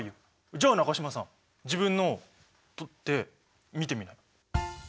じゃあ中島さん自分のを取って見てみなよ。